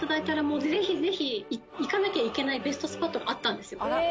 もうぜひぜひ行かなきゃいけないベストスポットがあったんですよ